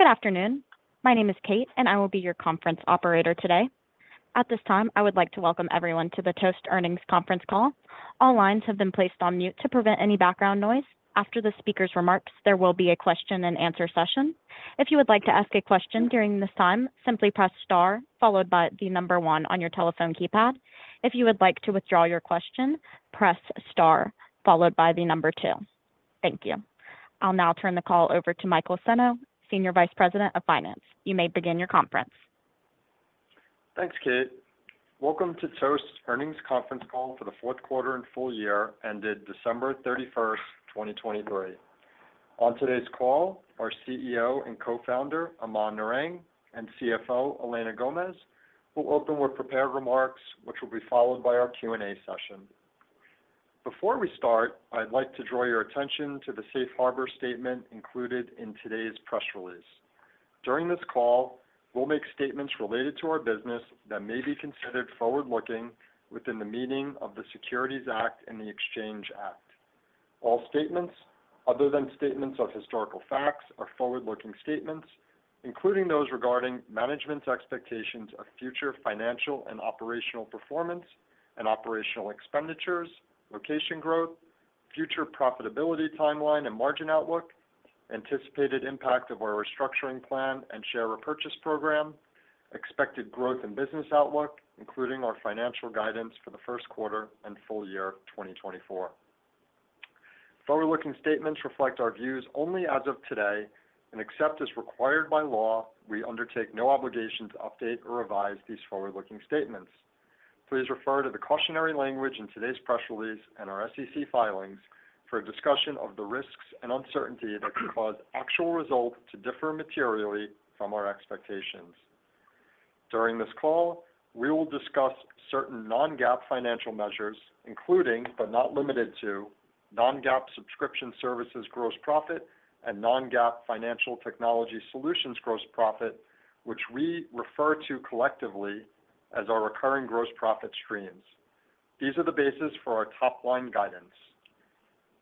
Good afternoon. My name is Kate, and I will be your conference operator today. At this time, I would like to welcome everyone to the Toast earnings conference call. All lines have been placed on mute to prevent any background noise. After the speaker's remarks, there will be a question-and-answer session. If you would like to ask a question during this time, simply press star followed by the number one on your telephone keypad. If you would like to withdraw your question, press star followed by the number two. Thank you. I'll now turn the call over to Michael Senno, Senior Vice President of Finance. You may begin your conference. Thanks, Kate. Welcome to Toast earnings conference call for the fourth quarter and full year, ended December 31st, 2023. On today's call, our CEO and Co-founder, Aman Narang, and CFO, Elena Gomez, will open with prepared remarks, which will be followed by our Q&A session. Before we start, I'd like to draw your attention to the Safe Harbor statement included in today's press release. During this call, we'll make statements related to our business that may be considered forward-looking within the meaning of the Securities Act and the Exchange Act. All statements other than statements of historical facts are forward-looking statements, including those regarding management's expectations of future financial and operational performance and operational expenditures, location growth, future profitability timeline and margin outlook, anticipated impact of our restructuring plan and share repurchase program, expected growth and business outlook, including our financial guidance for the first quarter and full year 2024. Forward-looking statements reflect our views only as of today, and except as required by law, we undertake no obligation to update or revise these forward-looking statements. Please refer to the cautionary language in today's press release and our SEC filings for a discussion of the risks and uncertainty that could cause actual results to differ materially from our expectations. During this call, we will discuss certain non-GAAP financial measures, including but not limited to non-GAAP subscription services gross profit and non-GAAP financial technology solutions gross profit, which we refer to collectively as our recurring gross profit streams. These are the basis for our top-line guidance.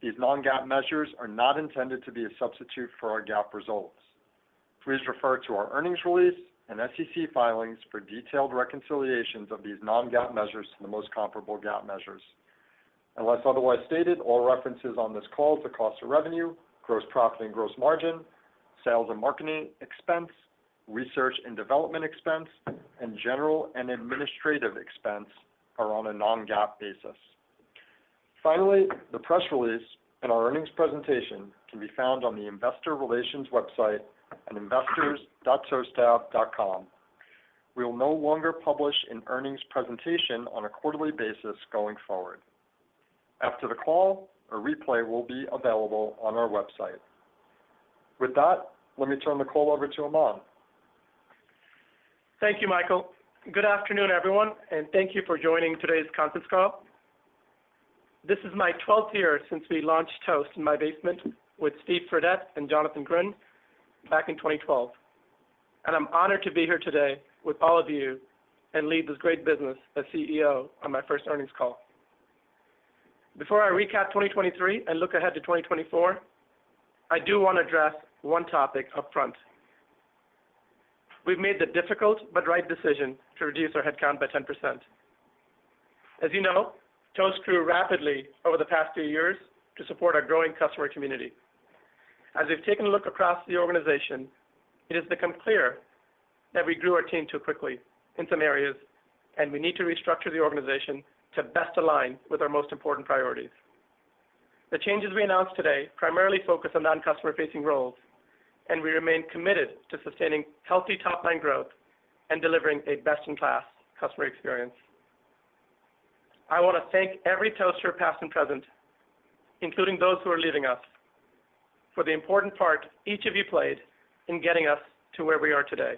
These non-GAAP measures are not intended to be a substitute for our GAAP results. Please refer to our earnings release and SEC filings for detailed reconciliations of these non-GAAP measures to the most comparable GAAP measures. Unless otherwise stated, all references on this call to cost of revenue, gross profit and gross margin, sales and marketing expense, research and development expense, and general and administrative expense are on a non-GAAP basis. Finally, the press release and our earnings presentation can be found on the investor relations website at investors.toast.com. We will no longer publish an earnings presentation on a quarterly basis going forward. After the call, a replay will be available on our website. With that, let me turn the call over to Aman. Thank you, Michael. Good afternoon, everyone, and thank you for joining today's conference call. This is my 12th year since we launched Toast in my basement with Steve Fredette and Jonathan Grimm back in 2012, and I'm honored to be here today with all of you and lead this great business as CEO on my first earnings call. Before I recap 2023 and look ahead to 2024, I do want to address one topic upfront. We've made the difficult but right decision to reduce our headcount by 10%. As you know, Toast grew rapidly over the past few years to support our growing customer community. As we've taken a look across the organization, it has become clear that we grew our team too quickly in some areas, and we need to restructure the organization to best align with our most important priorities. The changes we announced today primarily focus on non-customer-facing roles, and we remain committed to sustaining healthy top-line growth and delivering a best-in-class customer experience. I want to thank every Toaster past and present, including those who are leaving us, for the important part each of you played in getting us to where we are today.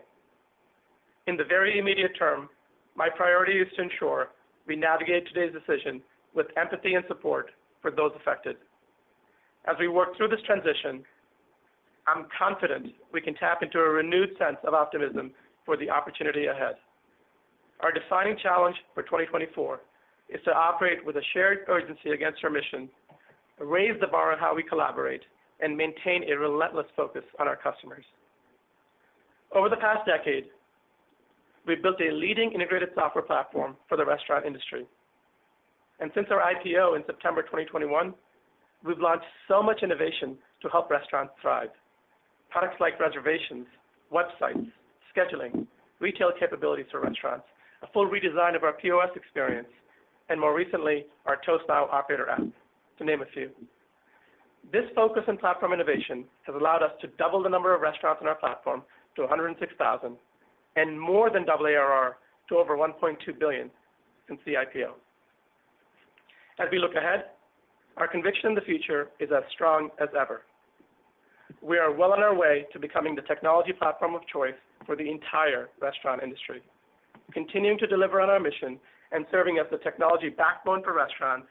In the very immediate term, my priority is to ensure we navigate today's decision with empathy and support for those affected. As we work through this transition, I'm confident we can tap into a renewed sense of optimism for the opportunity ahead. Our defining challenge for 2024 is to operate with a shared urgency against our mission, raise the bar on how we collaborate, and maintain a relentless focus on our customers. Over the past decade, we've built a leading integrated software platform for the restaurant industry, and since our IPO in September 2021, we've launched so much innovation to help restaurants thrive: products like reservations, websites, scheduling, retail capabilities for restaurants, a full redesign of our POS experience, and more recently, our Toast Now operator app, to name a few. This focus on platform innovation has allowed us to double the number of restaurants in our platform to 106,000 and more than double ARR to over $1.2 billion since the IPO. As we look ahead, our conviction in the future is as strong as ever. We are well on our way to becoming the technology platform of choice for the entire restaurant industry. Continuing to deliver on our mission and serving as the technology backbone for restaurants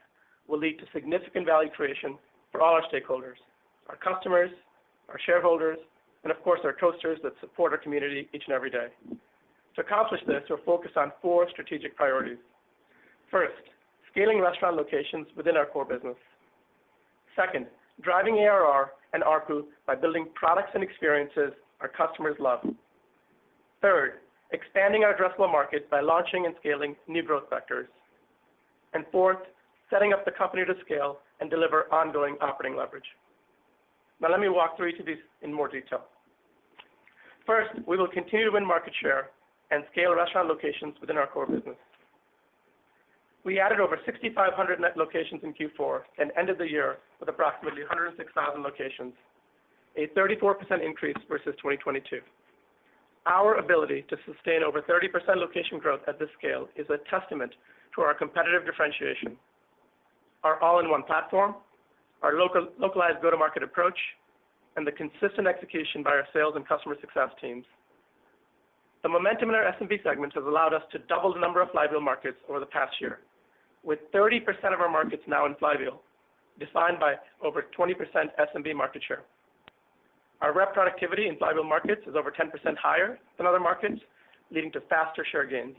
will lead to significant value creation for all our stakeholders: our customers, our shareholders, and of course, our Toasters that support our community each and every day. To accomplish this, we'll focus on four strategic priorities. First, scaling restaurant locations within our core business. Second, driving ARR and ARPU by building products and experiences our customers love. Third, expanding our addressable market by launching and scaling new growth vectors. And fourth, setting up the company to scale and deliver ongoing operating leverage. Now let me walk through each of these in more detail. First, we will continue to win market share and scale restaurant locations within our core business. We added over 6,500 net locations in Q4 and ended the year with approximately 106,000 locations, a 34% increase versus 2022. Our ability to sustain over 30% location growth at this scale is a testament to our competitive differentiation: our all-in-one platform, our localized go-to-market approach, and the consistent execution by our sales and customer success teams. The momentum in our SMB segment has allowed us to double the number of flywheel markets over the past year, with 30% of our markets now in flywheel, defined by over 20% SMB market share. Our reproducibility in flywheel markets is over 10% higher than other markets, leading to faster share gains.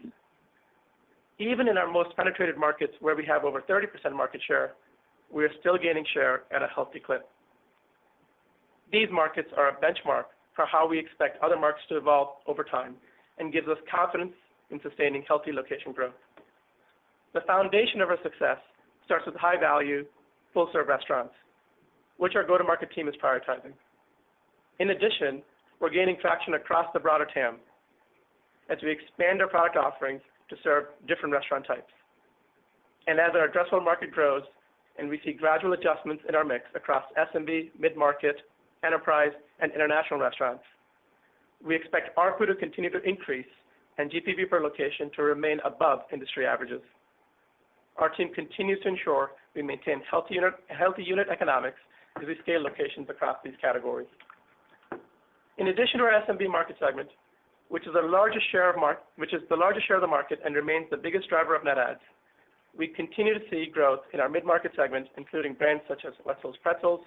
Even in our most penetrated markets, where we have over 30% market share, we are still gaining share at a healthy clip. These markets are a benchmark for how we expect other markets to evolve over time and gives us confidence in sustaining healthy location growth. The foundation of our success starts with high-value, full-service restaurants, which our go-to-market team is prioritizing. In addition, we're gaining traction across the broader TAM as we expand our product offerings to serve different restaurant types. As our addressable market grows and we see gradual adjustments in our mix across SMB, mid-market, enterprise, and international restaurants, we expect ARPU to continue to increase and GPV per location to remain above industry averages. Our team continues to ensure we maintain healthy unit economics as we scale locations across these categories. In addition to our SMB market segment, which is the largest share of the market and remains the biggest driver of net adds, we continue to see growth in our mid-market segment, including brands such as Wetzel's Pretzels,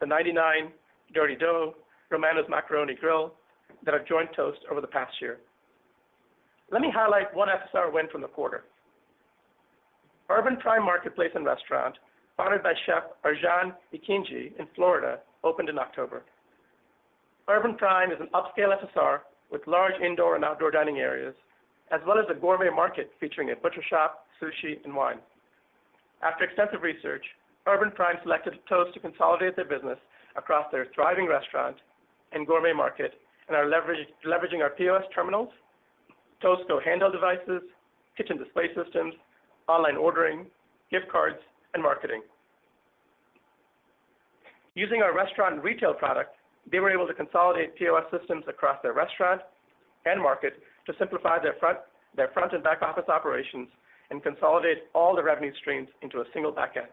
The 99, Dirty Dough, Romano's Macaroni Grill that have joined Toast over the past year. Let me highlight one FSR win from the quarter. Urban Prime Marketplace and Restaurant, founded by Chef Ercan Ekinci in Florida, opened in October. Urban Prime is an upscale FSR with large indoor and outdoor dining areas, as well as a gourmet market featuring a butcher shop, sushi, and wine. After extensive research, Urban Prime selected Toast to consolidate their business across their thriving restaurant and gourmet market and are leveraging our POS terminals, Toast Go handheld devices, kitchen display systems, online ordering, gift cards, and marketing. Using our restaurant retail product, they were able to consolidate POS systems across their restaurant and market to simplify their front and back-office operations and consolidate all the revenue streams into a single backend.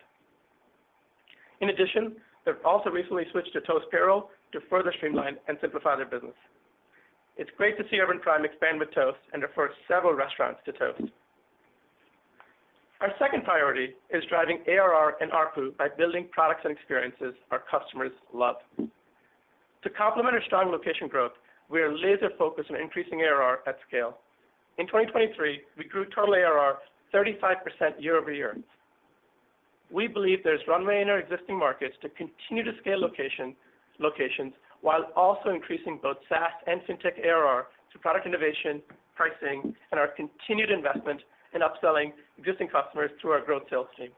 In addition, they've also recently switched to Toast Payroll to further streamline and simplify their business. It's great to see Urban Prime expand with Toast and refer several restaurants to Toast. Our second priority is driving ARR and ARPU by building products and experiences our customers love. To complement our strong location growth, we are laser-focused on increasing ARR at scale. In 2023, we grew total ARR 35% year-over-year. We believe there's runway in our existing markets to continue to scale locations while also increasing both SaaS and FinTech ARR through product innovation, pricing, and our continued investment in upselling existing customers through our growth sales team.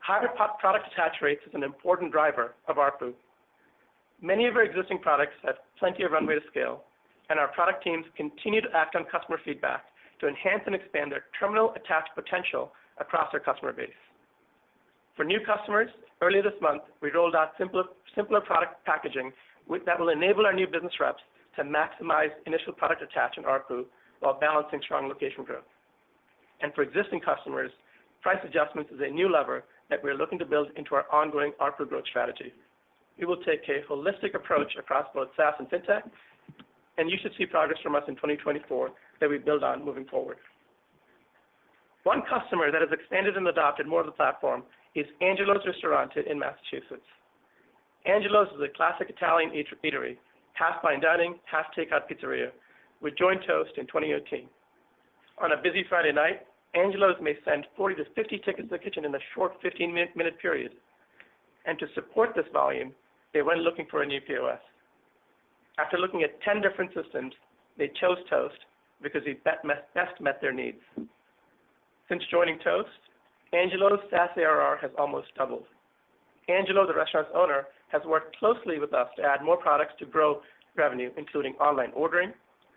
Hybrid product attach rates is an important driver of ARPU. Many of our existing products have plenty of runway to scale, and our product teams continue to act on customer feedback to enhance and expand their terminal attach potential across our customer base. For new customers, earlier this month, we rolled out simpler product packaging that will enable our new business reps to maximize initial product attach in ARPU while balancing strong location growth. For existing customers, price adjustments is a new lever that we are looking to build into our ongoing ARPU growth strategy. We will take a holistic approach across both SaaS and FinTech, and you should see progress from us in 2024 that we build on moving forward. One customer that has expanded and adopted more of the platform is Angelo's Ristorante in Massachusetts. Angelo's is a classic Italian eatery, half fine dining, half takeout pizzeria, which joined Toast in 2018. On a busy Friday night, Angelo's may send 40-50 tickets to the kitchen in a short 15-minute period. To support this volume, they went looking for a new POS. After looking at 10 different systems, they chose Toast because we best met their needs. Since joining Toast, Angelo's SaaS ARR has almost doubled. Angelo, the restaurant's owner, has worked closely with us to add more products to grow revenue, including online ordering,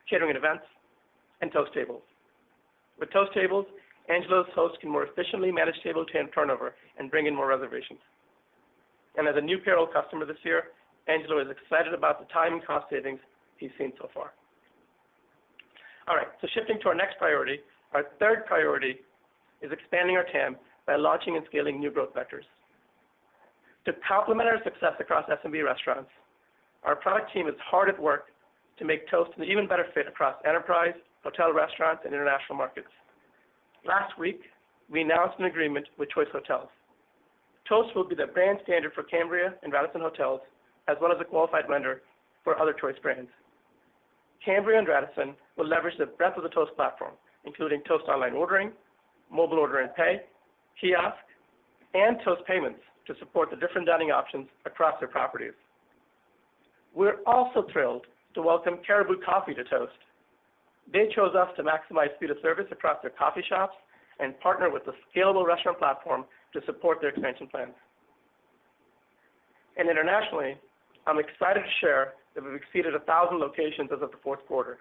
catering and events, and Toast Tables. With Toast Tables, Angelo's hosts can more efficiently manage table turnover and bring in more reservations. And as a new payroll customer this year, Angelo is excited about the time and cost savings he's seen so far. All right, so shifting to our next priority, our third priority is expanding our TAM by launching and scaling new growth vectors. To complement our success across SMB restaurants, our product team is hard at work to make Toast an even better fit across enterprise, hotel restaurants, and international markets. Last week, we announced an agreement with Choice Hotels. Toast will be the brand standard for Cambria and Radisson Hotels, as well as a qualified lender for other Choice brands. Cambria and Radisson will leverage the breadth of the Toast platform, including Toast Online Ordering, Mobile Order & Pay, kiosk, and Toast Payments to support the different dining options across their properties. We're also thrilled to welcome Caribou Coffee to Toast. They chose us to maximize speed of service across their coffee shops and partner with the scalable restaurant platform to support their expansion plans. And internationally, I'm excited to share that we've exceeded 1,000 locations as of the fourth quarter.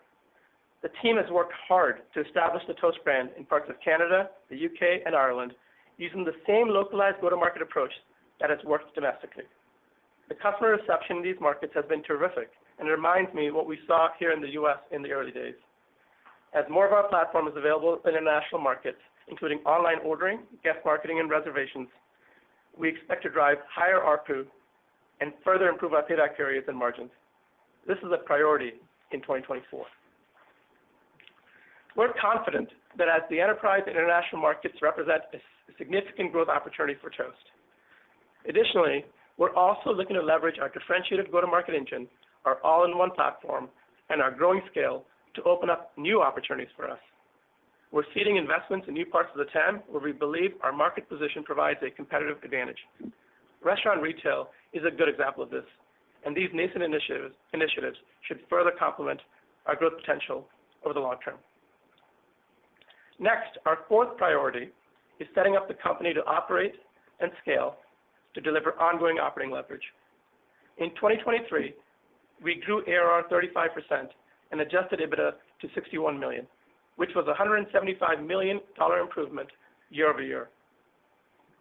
The team has worked hard to establish the Toast brand in parts of Canada, the U.K., and Ireland using the same localized go-to-market approach that has worked domestically. The customer reception in these markets has been terrific, and it reminds me of what we saw here in the U.S. in the early days. As more of our platform is available in international markets, including online ordering, guest marketing, and reservations, we expect to drive higher ARPU and further improve our payback periods and margins. This is a priority in 2024. We're confident that as the enterprise and international markets represent a significant growth opportunity for Toast. Additionally, we're also looking to leverage our differentiated go-to-market engine, our all-in-one platform, and our growing scale to open up new opportunities for us. We're seeding investments in new parts of the TAM where we believe our market position provides a competitive advantage. Restaurant retail is a good example of this, and these nascent initiatives should further complement our growth potential over the long term. Next, our fourth priority is setting up the company to operate and scale to deliver ongoing operating leverage. In 2023, we grew ARR 35% and adjusted EBITDA to $61 million, which was a $175 million improvement year-over-year.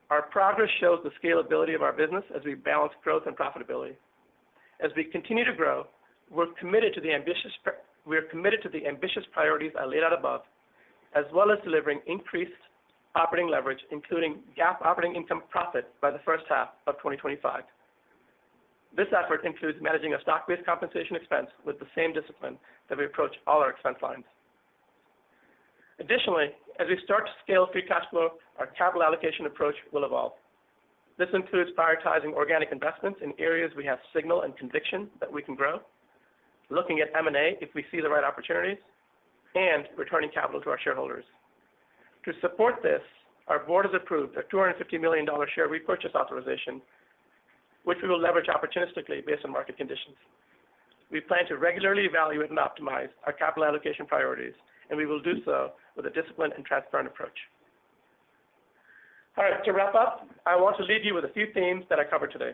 Our progress shows the scalability of our business as we balance growth and profitability. As we continue to grow, we're committed to the ambitious priorities I laid out above, as well as delivering increased operating leverage, including GAAP operating income profitability by the first half of 2025. This effort includes managing our stock-based compensation expense with the same discipline that we approach all our expense lines. Additionally, as we start to scale free cash flow, our capital allocation approach will evolve. This includes prioritizing organic investments in areas we have signal and conviction that we can grow, looking at M&A if we see the right opportunities, and returning capital to our shareholders. To support this, our board has approved a $250 million share repurchase authorization, which we will leverage opportunistically based on market conditions. We plan to regularly evaluate and optimize our capital allocation priorities, and we will do so with a disciplined and transparent approach. All right, to wrap up, I want to leave you with a few themes that I covered today.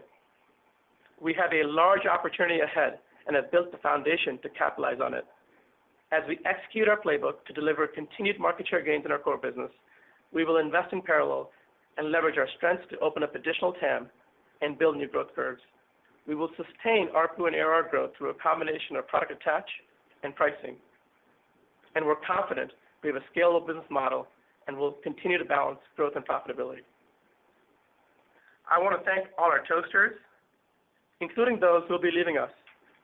We have a large opportunity ahead and have built the foundation to capitalize on it. As we execute our playbook to deliver continued market share gains in our core business, we will invest in parallel and leverage our strengths to open up additional TAM and build new growth curves. We will sustain ARPU and ARR growth through a combination of product attach and pricing. We're confident we have a scalable business model and will continue to balance growth and profitability. I want to thank all our Toasters, including those who will be leaving us,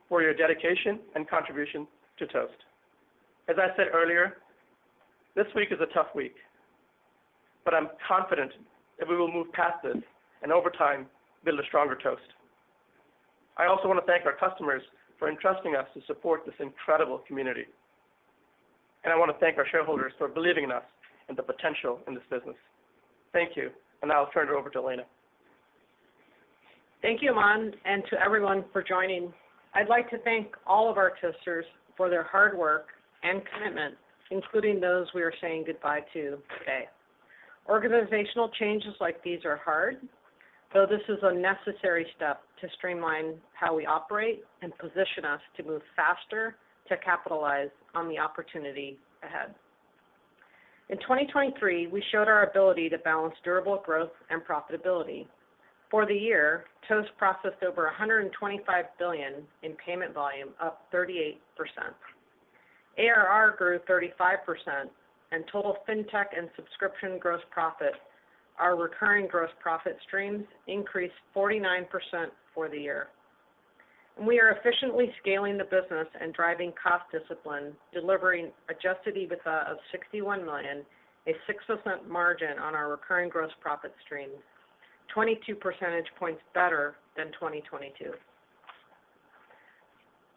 for your dedication and contribution to Toast. As I said earlier, this week is a tough week, but I'm confident that we will move past this and over time build a stronger Toast. I also want to thank our customers for entrusting us to support this incredible community. I want to thank our shareholders for believing in us and the potential in this business. Thank you, and now I'll turn it over to Elena. Thank you, Aman, and to everyone for joining. I'd like to thank all of our Toasters for their hard work and commitment, including those we are saying goodbye to today. Organizational changes like these are hard, though this is a necessary step to streamline how we operate and position us to move faster to capitalize on the opportunity ahead. In 2023, we showed our ability to balance durable growth and profitability. For the year, Toast processed over $125 billion in payment volume, up 38%. ARR grew 35%, and total FinTech and subscription gross profit, our recurring gross profit streams, increased 49% for the year. We are efficiently scaling the business and driving cost discipline, delivering adjusted EBITDA of $61 million, a 6% margin on our recurring gross profit streams, 22 percentage points better than 2022.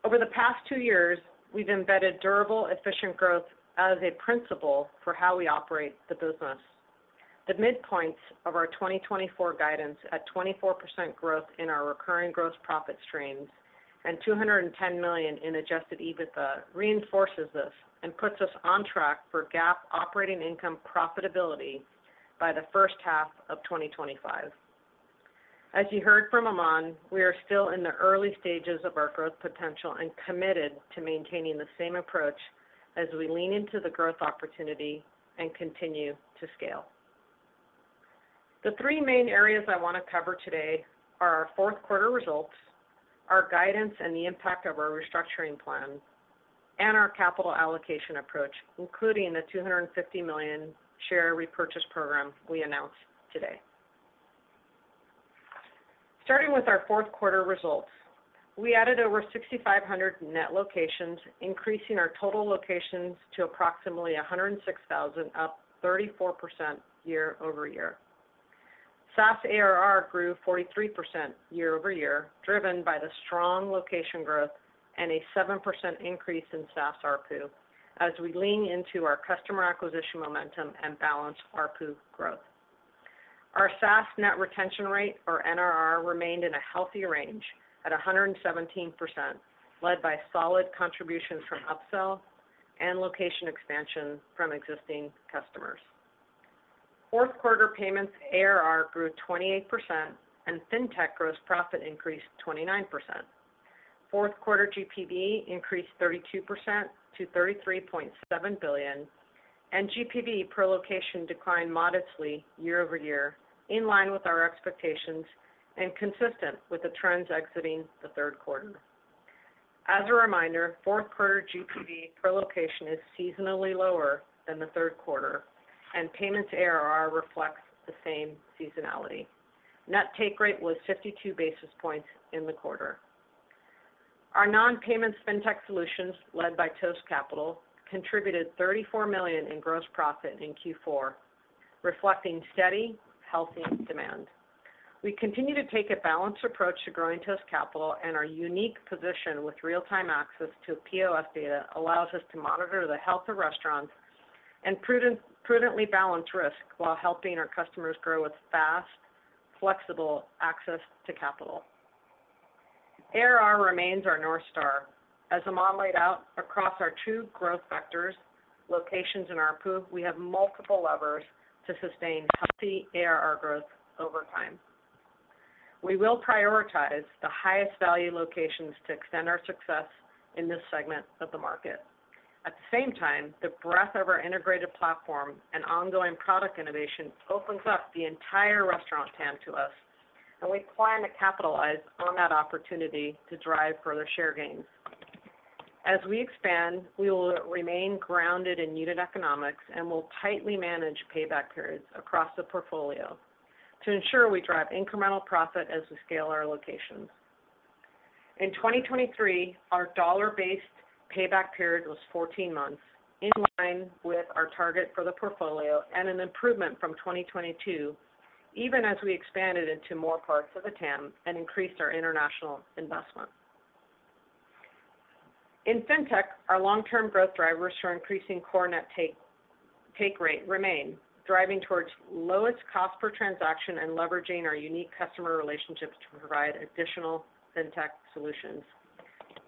Over the past two years, we've embedded durable, efficient growth as a principle for how we operate the business. The midpoints of our 2024 guidance at 24% growth in our recurring gross profit streams and $210 million in adjusted EBITDA reinforces this and puts us on track for GAAP operating income profitability by the first half of 2025. As you heard from Aman, we are still in the early stages of our growth potential and committed to maintaining the same approach as we lean into the growth opportunity and continue to scale. The three main areas I want to cover today are our fourth quarter results, our guidance and the impact of our restructuring plan, and our capital allocation approach, including the $250 million share repurchase program we announced today. Starting with our fourth quarter results, we added over 6,500 net locations, increasing our total locations to approximately 106,000, up 34% year-over-year. SaaS ARR grew 43% year-over-year, driven by the strong location growth and a 7% increase in SaaS ARPU as we lean into our customer acquisition momentum and balance ARPU growth. Our SaaS net retention rate, or NRR, remained in a healthy range at 117%, led by solid contribution from upsell and location expansion from existing customers. Fourth quarter payments ARR grew 28%, and FinTech gross profit increased 29%. Fourth quarter GPV increased 32% to $33.7 billion, and GPV per location declined modestly year-over-year, in line with our expectations and consistent with the trends exiting the third quarter. As a reminder, fourth quarter GPV per location is seasonally lower than the third quarter, and payments ARR reflects the same seasonality. Net take rate was 52 basis points in the quarter. Our non-payments FinTech solutions, led by Toast Capital, contributed $34 million in gross profit in Q4, reflecting steady, healthy demand. We continue to take a balanced approach to growing Toast Capital, and our unique position with real-time access to POS data allows us to monitor the health of restaurants and prudently balance risk while helping our customers grow with fast, flexible access to capital. ARR remains our north star. As Aman laid out, across our two growth vectors, locations and ARPU, we have multiple levers to sustain healthy ARR growth over time. We will prioritize the highest value locations to extend our success in this segment of the market. At the same time, the breadth of our integrated platform and ongoing product innovation opens up the entire restaurant TAM to us, and we plan to capitalize on that opportunity to drive further share gains. As we expand, we will remain grounded in unit economics and will tightly manage payback periods across the portfolio to ensure we drive incremental profit as we scale our locations. In 2023, our dollar-based payback period was 14 months, in line with our target for the portfolio and an improvement from 2022, even as we expanded into more parts of the TAM and increased our international investment. In FinTech, our long-term growth drivers for increasing core net take rate remain, driving towards lowest cost per transaction and leveraging our unique customer relationships to provide additional FinTech solutions.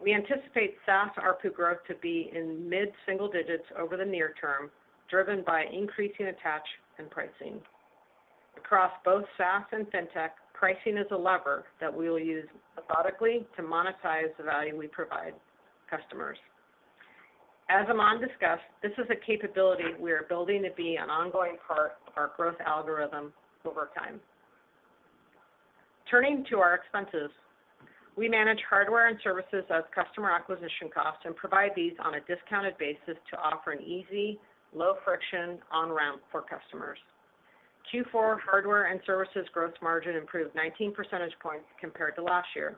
We anticipate SaaS ARPU growth to be in mid-single digits over the near term, driven by increasing attach and pricing. Across both SaaS and FinTech, pricing is a lever that we will use methodically to monetize the value we provide customers. As Aman discussed, this is a capability we are building to be an ongoing part of our growth algorithm over time. Turning to our expenses, we manage hardware and services as customer acquisition costs and provide these on a discounted basis to offer an easy, low-friction on-ramp for customers. Q4 hardware and services growth margin improved 19 percentage points compared to last year,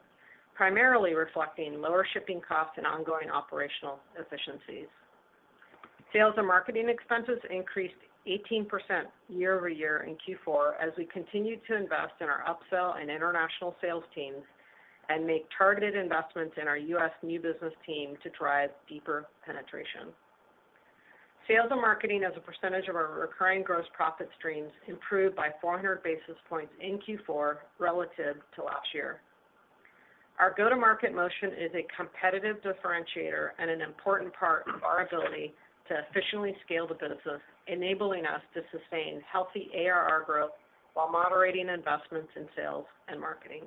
primarily reflecting lower shipping costs and ongoing operational efficiencies. Sales and marketing expenses increased 18% year-over-year in Q4 as we continue to invest in our upsell and international sales teams and make targeted investments in our U.S. new business team to drive deeper penetration. Sales and marketing, as a percentage of our recurring gross profit streams, improved by 400 basis points in Q4 relative to last year. Our go-to-market motion is a competitive differentiator and an important part of our ability to efficiently scale the business, enabling us to sustain healthy ARR growth while moderating investments in sales and marketing.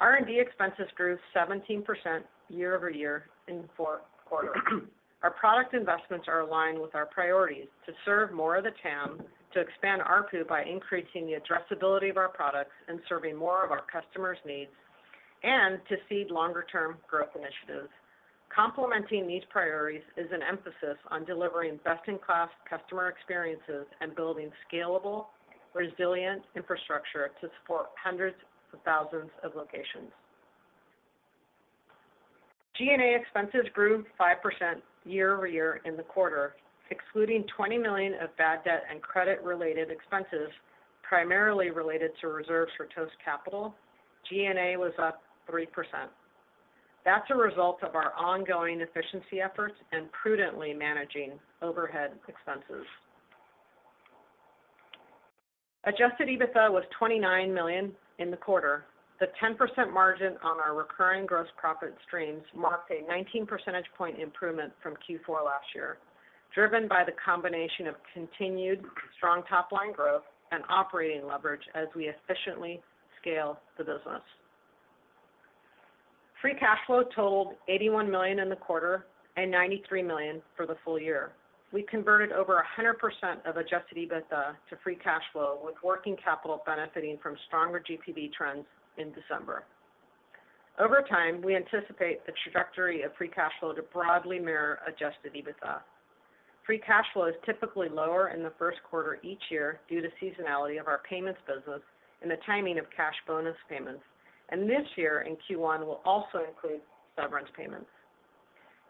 R&D expenses grew 17% year-over-year in fourth quarter. Our product investments are aligned with our priorities to serve more of the TAM, to expand ARPU by increasing the addressability of our products and serving more of our customers' needs, and to seed longer-term growth initiatives. Complementing these priorities is an emphasis on delivering best-in-class customer experiences and building scalable, resilient infrastructure to support hundreds of thousands of locations. G&A expenses grew 5% year-over-year in the quarter. Excluding $20 million of bad debt and credit-related expenses, primarily related to reserves for Toast Capital, G&A was up 3%. That's a result of our ongoing efficiency efforts and prudently managing overhead expenses. Adjusted EBITDA was $29 million in the quarter. The 10% margin on our recurring gross profit streams marked a 19-percentage point improvement from Q4 last year, driven by the combination of continued strong top-line growth and operating leverage as we efficiently scale the business. Free cash flow totaled $81 million in the quarter and $93 million for the full year. We converted over 100% of adjusted EBITDA to free cash flow, with working capital benefiting from stronger GPV trends in December. Over time, we anticipate the trajectory of free cash flow to broadly mirror adjusted EBITDA. Free cash flow is typically lower in the first quarter each year due to seasonality of our payments business and the timing of cash bonus payments, and this year in Q1 will also include severance payments.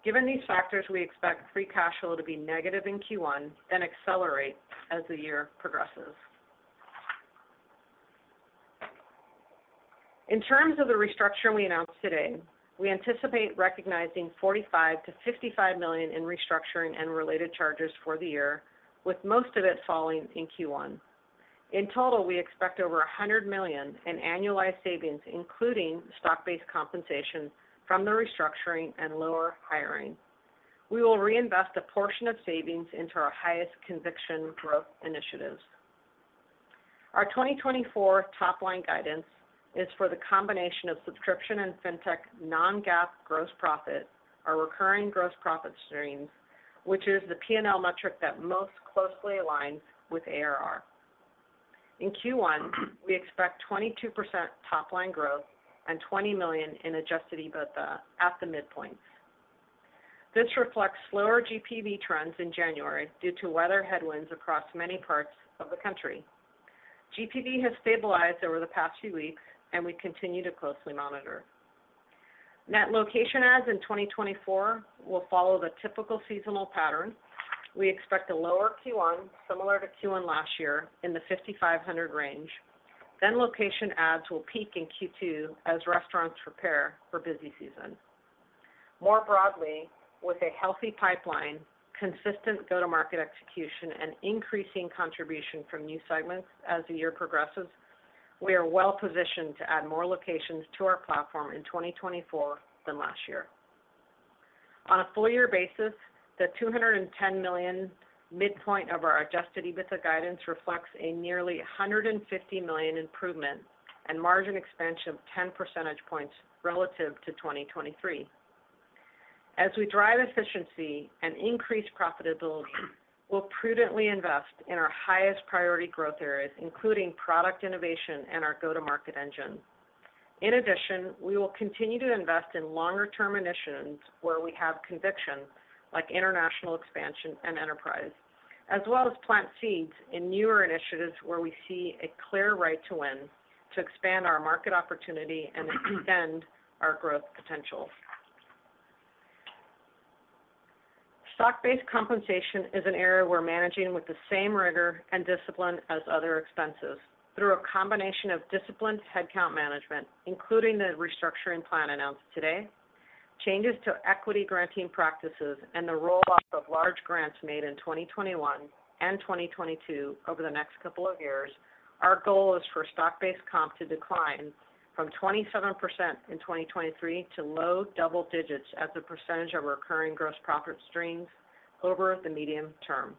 Given these factors, we expect free cash flow to be negative in Q1, then accelerate as the year progresses. In terms of the restructure we announced today, we anticipate recognizing $45 million-$55 million in restructuring and related charges for the year, with most of it falling in Q1. In total, we expect over $100 million in annualized savings, including stock-based compensation from the restructuring and lower hiring. We will reinvest a portion of savings into our highest conviction growth initiatives. Our 2024 top-line guidance is for the combination of subscription and FinTech non-GAAP gross profit, our recurring gross profit streams, which is the P&L metric that most closely aligns with ARR. In Q1, we expect 22% top-line growth and $20 million in adjusted EBITDA at the midpoint. This reflects slower GPV trends in January due to weather headwinds across many parts of the country. GPV has stabilized over the past few weeks, and we continue to closely monitor. Net location adds in 2024 will follow the typical seasonal pattern. We expect a lower Q1, similar to Q1 last year, in the 5,500 range. Then location adds will peak in Q2 as restaurants prepare for busy season. More broadly, with a healthy pipeline, consistent go-to-market execution, and increasing contribution from new segments as the year progresses, we are well positioned to add more locations to our platform in 2024 than last year. On a full-year basis, the $210 million midpoint of our adjusted EBITDA guidance reflects a nearly $150 million improvement and margin expansion of 10 percentage points relative to 2023. As we drive efficiency and increase profitability, we'll prudently invest in our highest priority growth areas, including product innovation and our go-to-market engine. In addition, we will continue to invest in longer-term initiatives where we have conviction, like international expansion and enterprise, as well as plant seeds in newer initiatives where we see a clear right to win to expand our market opportunity and extend our growth potential. Stock-based compensation is an area we're managing with the same rigor and discipline as other expenses, through a combination of disciplined headcount management, including the restructuring plan announced today, changes to equity-granting practices, and the roll-off of large grants made in 2021 and 2022 over the next couple of years. Our goal is for stock-based comp to decline from 27% in 2023 to low double digits as a percentage of recurring gross profit streams over the medium term.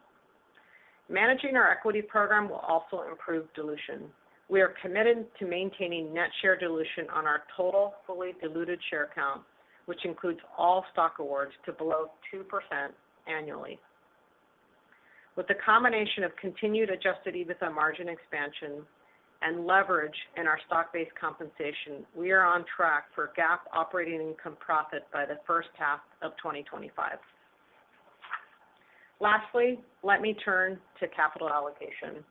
Managing our equity program will also improve dilution. We are committed to maintaining net share dilution on our total, fully diluted share count, which includes all stock awards, to below 2% annually. With the combination of continued adjusted EBITDA margin expansion and leverage in our stock-based compensation, we are on track for GAAP operating income profit by the first half of 2025. Lastly, let me turn to capital allocation.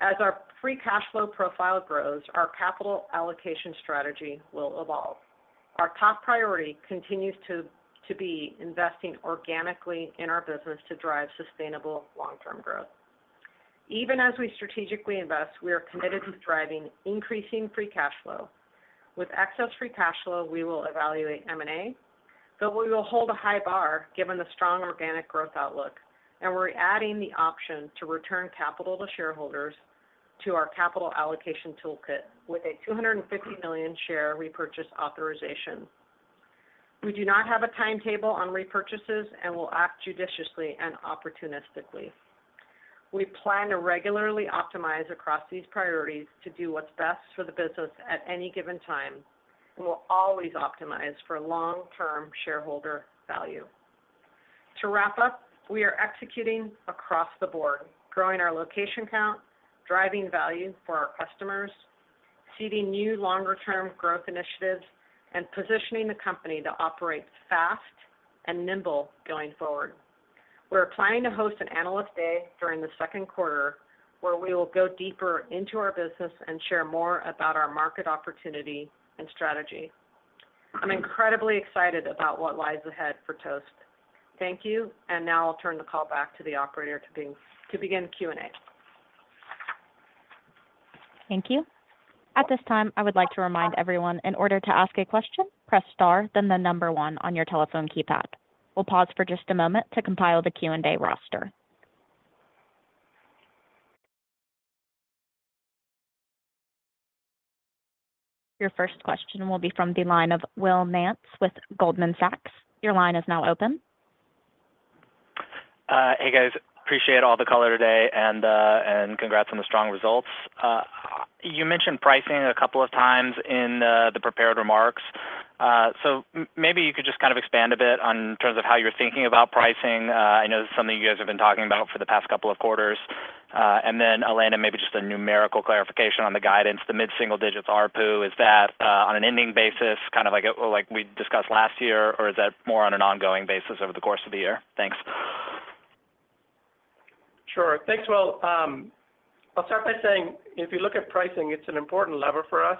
As our free cash flow profile grows, our capital allocation strategy will evolve. Our top priority continues to be investing organically in our business to drive sustainable long-term growth. Even as we strategically invest, we are committed to driving increasing free cash flow. With excess free cash flow, we will evaluate M&A, but we will hold a high bar given the strong organic growth outlook, and we're adding the option to return capital to shareholders to our capital allocation toolkit with a $250 million share repurchase authorization. We do not have a timetable on repurchases and will act judiciously and opportunistically. We plan to regularly optimize across these priorities to do what's best for the business at any given time and will always optimize for long-term shareholder value. To wrap up, we are executing across the board, growing our location count, driving value for our customers, seeding new longer-term growth initiatives, and positioning the company to operate fast and nimble going forward. We're planning to host an analyst day during the second quarter where we will go deeper into our business and share more about our market opportunity and strategy. I'm incredibly excited about what lies ahead for Toast. Thank you, and now I'll turn the call back to the operator to begin Q&A. Thank you. At this time, I would like to remind everyone, in order to ask a question, press star, then the number one on your telephone keypad. We'll pause for just a moment to compile the Q&A roster. Your first question will be from the line of Will Nance with Goldman Sachs. Your line is now open. Hey guys, appreciate all the color today and congrats on the strong results. You mentioned pricing a couple of times in the prepared remarks. So maybe you could just kind of expand a bit in terms of how you're thinking about pricing. I know this is something you guys have been talking about for the past couple of quarters. And then, Elena, maybe just a numerical clarification on the guidance, the mid-single digits ARPU, is that on an ending basis, kind of like we discussed last year, or is that more on an ongoing basis over the course of the year? Thanks. Sure. Thanks. Will, I'll start by saying, if you look at pricing, it's an important lever for us,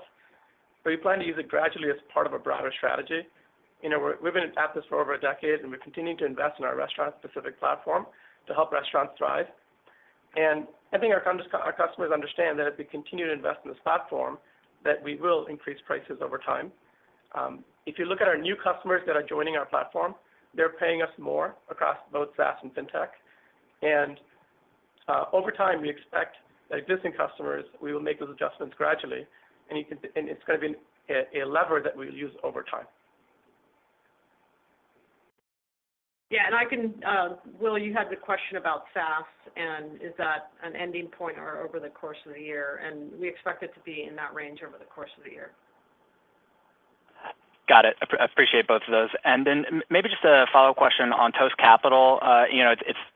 but we plan to use it gradually as part of a broader strategy. We've been at this for over a decade, and we're continuing to invest in our restaurant-specific platform to help restaurants thrive and I think our customers understand that if we continue to invest in this platform, that we will increase prices over time. If you look at our new customers that are joining our platform, they're paying us more across both SaaS and FinTech. Over time, we expect that existing customers, we will make those adjustments gradually, and it's going to be a lever that we'll use over time. Yeah, and I can, Will, you had the question about SaaS, and is that an ending point or over the course of the year? And we expect it to be in that range over the course of the year. Got it. Appreciate both of those. And then maybe just a follow-up question on Toast Capital.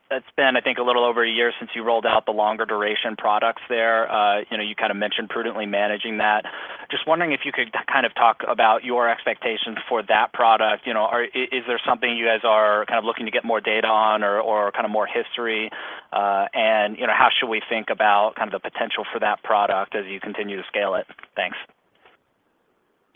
It's been, I think, a little over a year since you rolled out the longer duration products there. You kind of mentioned prudently managing that. Just wondering if you could kind of talk about your expectations for that product. Is there something you guys are kind of looking to get more data on or kind of more history, and how should we think about kind of the potential for that product as you continue to scale it? Thanks.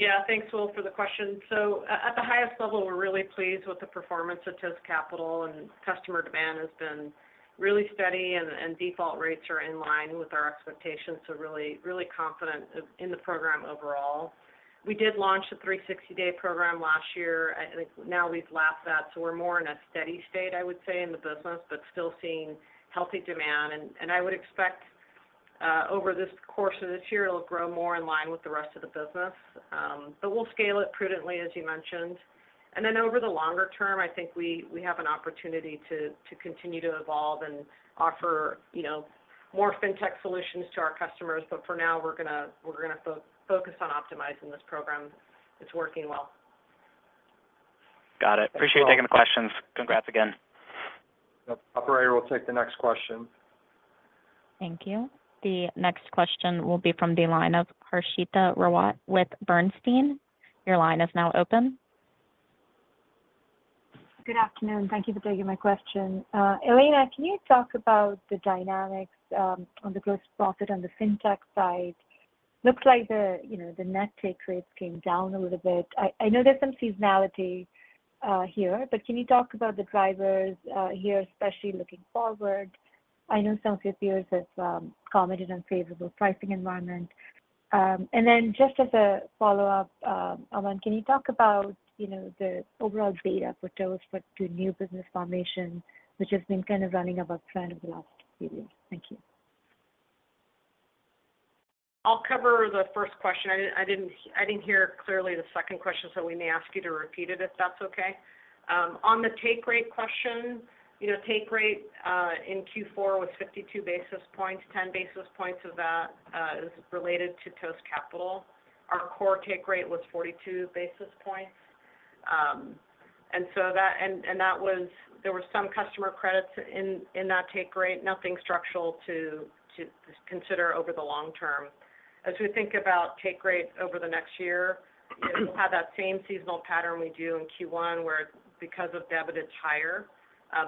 Yeah, thanks Will for the question. So, at the highest level, we're really pleased with the performance of Toast Capital, and customer demand has been really steady, and default rates are in line with our expectations, so really confident in the program overall. We did launch the 360-day program last year. I think now we've lapped that, so we're more in a steady state, I would say, in the business, but still seeing healthy demand. I would expect over this course of this year, it'll grow more in line with the rest of the business, but we'll scale it prudently, as you mentioned. Over the longer term, I think we have an opportunity to continue to evolve and offer more FinTech solutions to our customers, but for now, we're going to focus on optimizing this program. It's working well. Got it. Appreciate taking the questions. Congrats again. Yep. Operator we'll take the next question. Thank you. The next question will be from the line of Harshita Rawat with Bernstein. Your line is now open. Good afternoon. Thank you for taking my question. Elena, can you talk about the dynamics on the gross profit on the FinTech side? Looks like the net take rates came down a little bit. I know there's some seasonality here, but can you talk about the drivers here, especially looking forward? I know some of your peers have commented on a favorable pricing environment. And then just as a follow-up, Aman, can you talk about the overall data for Toast for new business formation, which has been kind of running above trend over the last few years? Thank you. I'll cover the first question. I didn't hear clearly the second question, so we may ask you to repeat it if that's okay. On the take rate question, take rate in Q4 was 52 basis points. 10 basis points of that is related to Toast Capital. Our core take rate was 42 basis points. That was, there were some customer credits in that take rate, nothing structural to consider over the long term. As we think about take rate over the next year, we'll have that same seasonal pattern we do in Q1 were, because of debit, it's higher.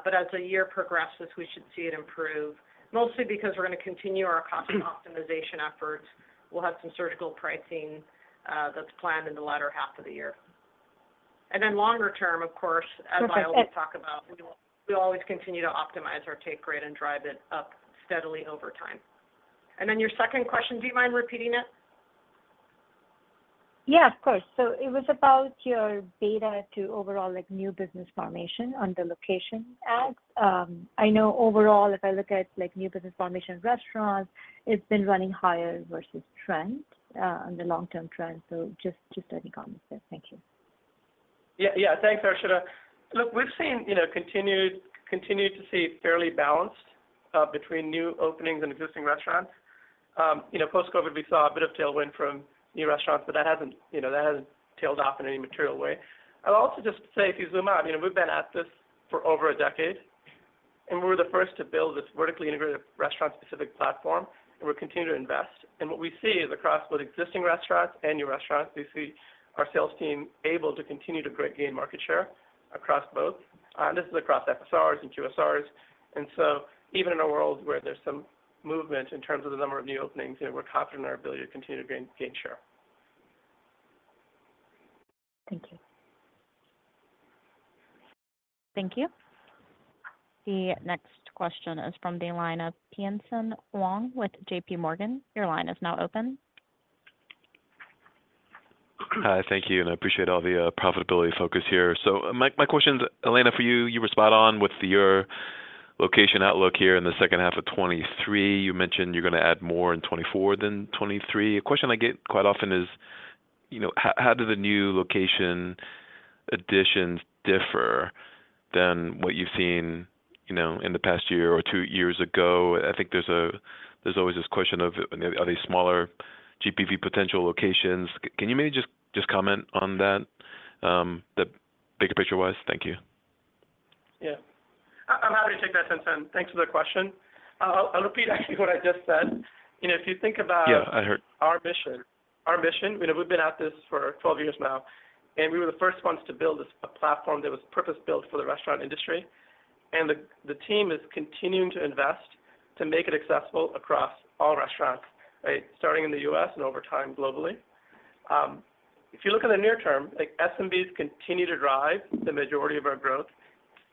But as the year progresses, we should see it improve, mostly because we're going to continue our cost optimization efforts. We'll have some surgical pricing that's planned in the latter half of the year. And then longer term, of course- Ok. Yes. as I always talk about, we always continue to optimize our take rate and drive it up steadily over time. And then your second question, do you mind repeating it? Yeah, of course. So it was about your data to overall new business formation on the location adds. I know overall, if I look at new business formation restaurants, it's been running higher versus trend, on the long-term trend, so just any comments there. Thank you. Yeah, thanks, Harshita. Look, we've seen continued to see fairly balanced between new openings and existing restaurants. Post-COVID, we saw a bit of tailwind from new restaurants, but that hasn't tailed off in any material way. I'll also just say, if you zoom out, we've been at this for over a decade, and we were the first to build this vertically integrated restaurant-specific platform, and we're continuing to invest. And what we see is across both existing restaurants and new restaurants, we see our sales team able to continue to gain market share across both and this is across FSRs and QSRs. And so, even in a world where there's some movement in terms of the number of new openings, we're confident in our ability to continue to gain share. Thank you. Thank you. The next question is from the line of Tien-tsin Wong with JPMorgan. Your line is now open. Thank you, and I appreciate all the profitability focus here. So, my question is, Elena, for you, you were spot on with your location outlook here in the second half of 2023. You mentioned you're going to add more in 2024 than 2023. A question I get quite often is, how do the new location additions differ than what you've seen in the past year or two years ago? I think there's always this question of, are they smaller GPV potential locations? Can you maybe just comment on that, bigger picture-wise? Thank you. Yeah. I'm happy to take that, Tien-tsin. Thanks for the question. I'll repeat, actually, what I just said. If you think about- Yeah, I heard.... our mission, we've been at this for 12 years now, and we were the first ones to build a platform that was purpose-built for the restaurant industry. The team is continuing to invest to make it accessible across all restaurants, starting in the U.S. and over time globally. If you look in the near term, SMBs continue to drive the majority of our growth,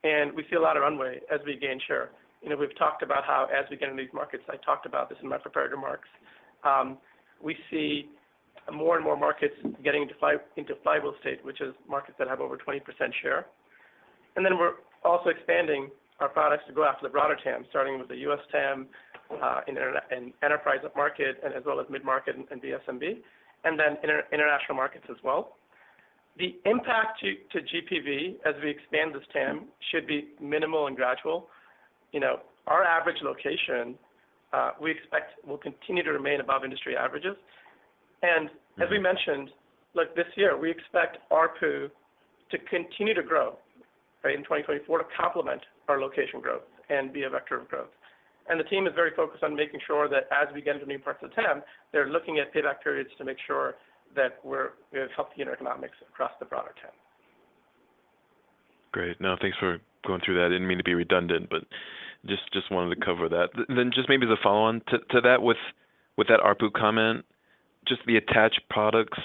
and we see a lot of runway as we gain share. We've talked about how, as we get into these markets, I talked about this in my prepared remarks, we see more and more markets getting into viable state, which is markets that have over 20% share. We're also expanding our products to go after the broader TAM, starting with the U.S. TAM, an enterprise market, as well as mid-market and the SMB, and then international markets as well. The impact to GPV as we expand this TAM should be minimal and gradual. Our average location, we expect, will continue to remain above industry averages. As we mentioned, look, this year, we expect ARPU to continue to grow in 2024 to complement our location growth and be a vector of growth. The team is very focused on making sure that, as we get into new parts of the TAM, they're looking at payback periods to make sure that we have healthy economics across the broader TAM. Great. No, thanks for going through that. I didn't mean to be redundant but just wanted to cover that. Then just maybe as a follow-on to that, with that ARPU comment, just the attached products,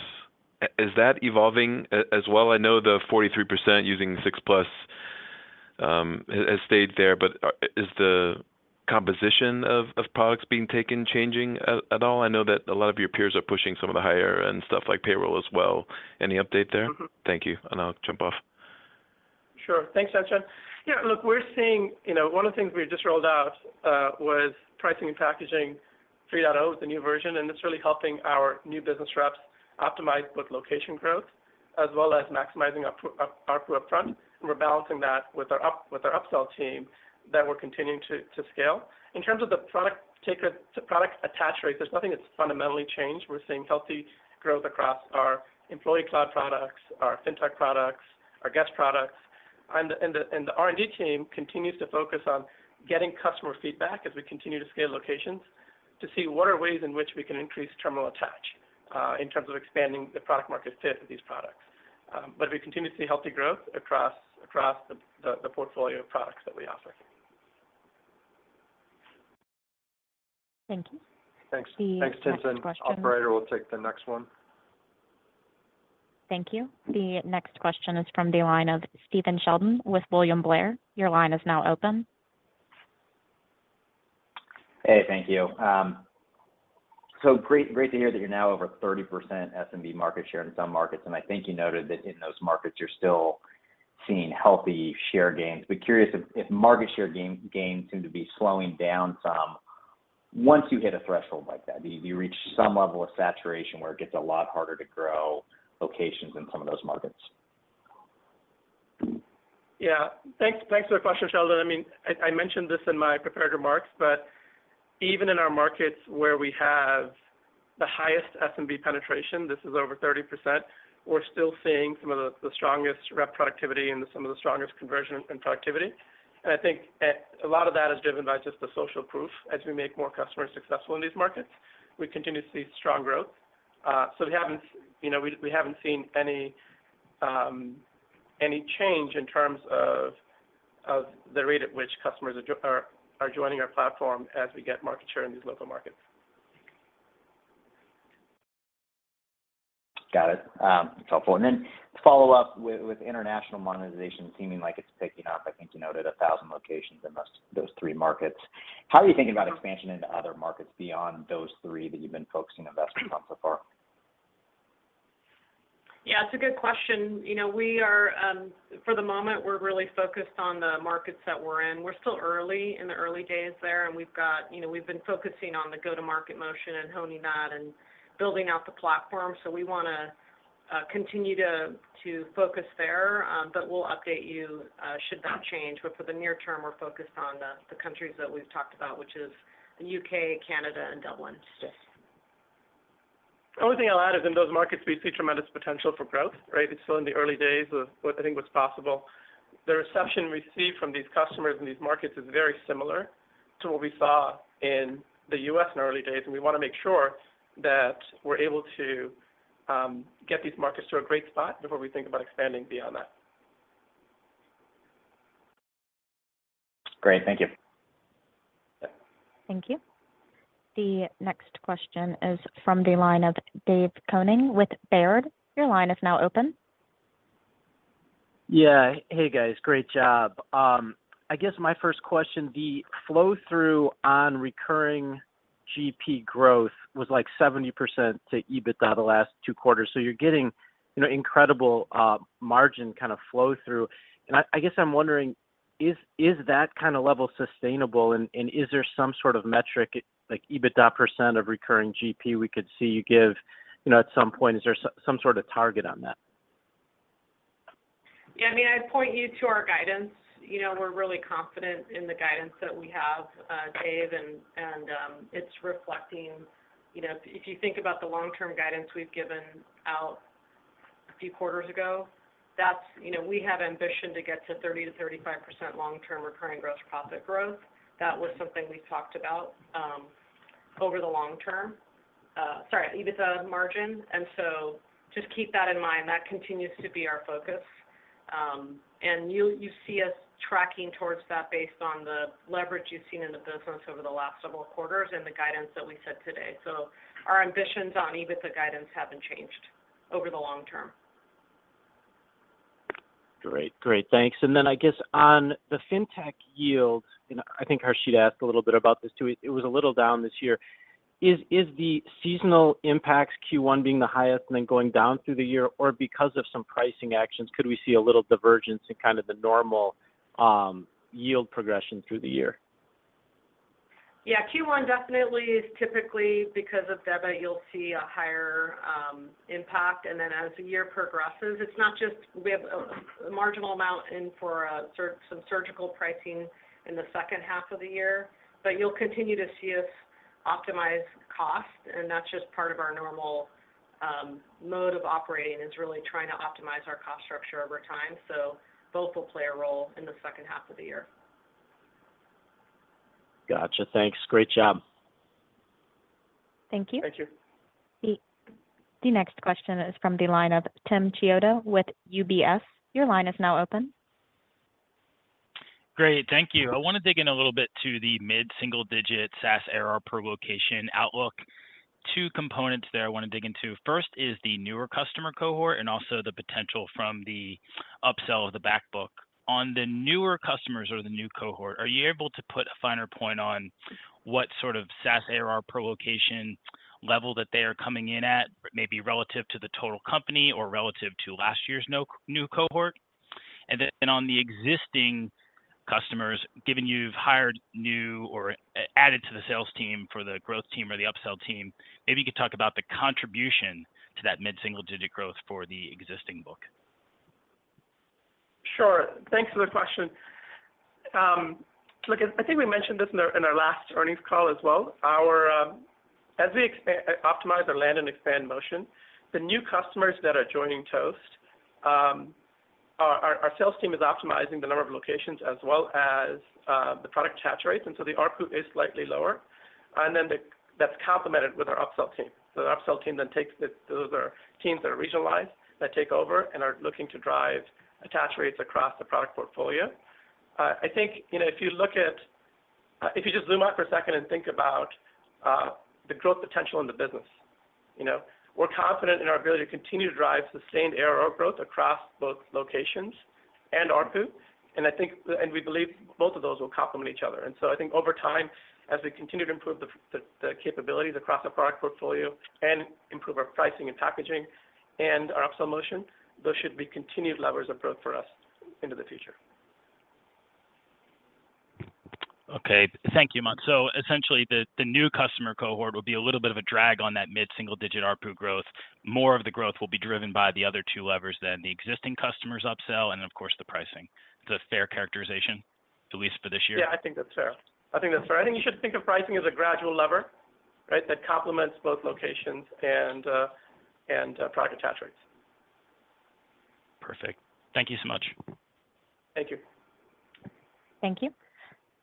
is that evolving as well? I know the 43% using 6+ has stayed there, but is the composition of products being taken changing at all? I know that a lot of your peers are pushing some of the higher-end stuff like payroll as well. Any update there? Thank you, and I'll jump off. Sure. Thanks, Tien-tsin. Yeah, look, we're seeing one of the things we just rolled out was Pricing and Packaging 3.0, the new version, and it's really helping our new business reps optimize both location growth as well as maximizing ARPU upfront. We're balancing that with our upsell team that we're continuing to scale. In terms of the product attach rates, there's nothing that's fundamentally changed. We're seeing healthy growth across our Employee Cloud products, our FinTech products, our guest products and the R&D team continues to focus on getting customer feedback as we continue to scale locations to see what are ways in which we can increase terminal attach in terms of expanding the product market fit of these products. But we continue to see healthy growth across the portfolio of products that we offer. Thank you. Thanks. Thanks, Tien-tsin. Next question. Operator, we'll take the next one. Thank you. The next question is from the line of Stephen Sheldon with William Blair. Your line is now open. Hey, thank you. So great to hear that you're now over 30% SMB market share in some markets, and I think you noted that in those markets, you're still seeing healthy share gains. But curious if market share gains seem to be slowing down some once you hit a threshold like that. Do you reach some level of saturation where it gets a lot harder to grow locations in some of those markets? Yeah. Thanks for the question, Sheldon. I mean, I mentioned this in my prepared remarks, but even in our markets where we have the highest SMB penetration, this is over 30%, we're still seeing some of the strongest rep productivity and some of the strongest conversion and productivity. And I think a lot of that is driven by just the social proof. As we make more customers successful in these markets, we continue to see strong growth. So, we haven't seen any change in terms of the rate at which customers are joining our platform as we get market share in these local markets. Got it. That's helpful. And then to follow up with international monetization seeming like it's picking up, I think you noted 1,000 locations in those three markets. How are you thinking about expansion into other markets beyond those three that you've been focusing investments on so far? Yeah, it's a good question. For the moment, we're really focused on the markets that we're in. We're still early in the early days there, and we've been focusing on the go-to-market motion and honing that and building out the platform. So, we want to continue to focus there, but we'll update you should that change. But for the near term, we're focused on the countries that we've talked about, which is the U.K., Canada, and Dublin, still. The only thing I'll add is, in those markets, we see tremendous potential for growth. It's still in the early days of what I think was possible. The reception we receive from these customers in these markets is very similar to what we saw in the U.S. in early days, and we want to make sure that we're able to get these markets to a great spot before we think about expanding beyond that. Great. Thank you. Thank you. The next question is from the line of Dave Koning with Baird. Your line is now open. Yeah. Hey, guys. Great job. I guess my first question, the flow-through on recurring GP growth was like 70% to EBITDA the last two quarters. So you're getting incredible margin kind of flow-through. And I guess I'm wondering, is that kind of level sustainable, and is there some sort of metric, like EBITDA percent of recurring GP we could see you give at some point? Is there some sort of target on that? Yeah. I mean, I'd point you to our guidance. We're really confident in the guidance that we have, Dave, and it's reflecting if you think about the long-term guidance, we've given out a few quarters ago, we have ambition to get to 30%-35% long-term recurring gross profit growth. That was something we talked about over the long term, sorry, EBITDA margin. And so just keep that in mind, that continues to be our focus. And you see us tracking towards that based on the leverage you've seen in the business over the last several quarters and the guidance that we said today. So, our ambitions on EBITDA guidance haven't changed over the long term. Great. Great. Thanks. And then I guess on the FinTech yield, and I think Harshit asked a little bit about this too. It was a little down this year. Is the seasonal impacts Q1 being the highest and then going down through the year, or because of some pricing actions, could we see a little divergence in kind of the normal yield progression through the year? Yeah. Q1 definitely is typically because of debit, you'll see a higher impact. And then as the year progresses, it's not just we have a marginal amount in for some surgical pricing in the second half of the year, but you'll continue to see us optimize cost. And that's just part of our normal mode of operating is really trying to optimize our cost structure over time. So, both will play a role in the second half of the year. Got you. Thanks. Great job. Thank you. Thank you. The next question is from the line of Tim Chiodo with UBS. Your line is now open. Great. Thank you. I want to dig in a little bit to the mid-single-digit SaaS ARR per location outlook. Two components there I want to dig into. First is the newer customer cohort and also the potential from the upsell of the back book. On the newer customers or the new cohort, are you able to put a finer point on what sort of SaaS ARR per location level that they are coming in at, maybe relative to the total company or relative to last year's new cohort? And then on the existing customers, given you've hired new or added to the sales team for the growth team or the upsell team, maybe you could talk about the contribution to that mid-single-digit growth for the existing book. Sure. Thanks for the question. Look, I think we mentioned this in our last earnings call as well. As we optimize our land-and-expand motion, the new customers that are joining Toast, our sales team is optimizing the number of locations as well as the product attach rates. And so, the ARPU is slightly lower. And then that's complemented with our upsell team. So, the upsell team then takes over. Those are teams that are regionalized that take over and are looking to drive attach rates across the product portfolio. I think if you look at, if you just zoom out for a second and think about the growth potential in the business, we're confident in our ability to continue to drive sustained ARR growth across both locations and ARPU. And we believe both of those will complement each other. I think over time, as we continue to improve the capabilities across our product portfolio and improve our pricing and packaging and our upsell motion, those should be continued levers of growth for us into the future. Okay. Thank you, Aman. So essentially, the new customer cohort would be a little bit of a drag on that mid-single-digit ARPU growth. More of the growth will be driven by the other two levers then, the existing customers upsell and, of course, the pricing. Is that a fair characterization, at least for this year? Yeah, I think that's fair. I think that's fair. I think you should think of pricing as a gradual lever that complements both locations and product attach rates. Perfect. Thank you so much. Thank you. Thank you.